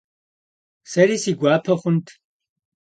Seri si guape xhunt.